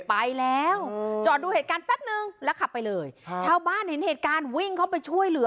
ไปแล้วจอดดูเหตุการณ์แป๊บนึงแล้วขับไปเลยชาวบ้านเห็นเหตุการณ์วิ่งเข้าไปช่วยเหลือ